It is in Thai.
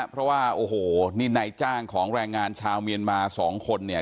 เพราะว่านี่ในจ้างของแรงงานชาวเมียนมา๒คนเนี่ย